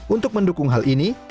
untuk mendukung hal ini